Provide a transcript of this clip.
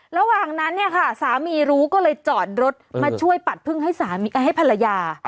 ระหว่างนั้นเนี่ยค่ะสามีรู้ก็เลยจอดรถมาช่วยปัดพึ่งให้สามีให้ภรรยา